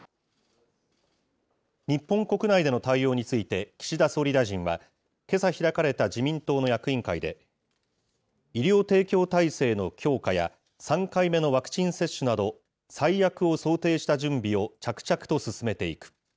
日本国内での対応について、岸田総理大臣は、けさ開かれた自民党の役員会で、医療提供体制の強化や、３回目のワクチン接種など、最悪を想定した準備を着々と進めていく。